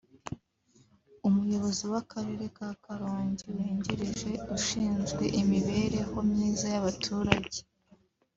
Umuyobozi w’Akarere ka Karongi Wungirije ushinzwe Imibereho Myiza y’Abaturage